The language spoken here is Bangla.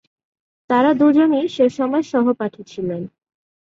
তারা দুজনই সে সময়ে সহপাঠী ছিলেন।